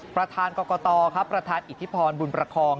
ประธานกรกตครับประธานอิทธิพรบุญประคอง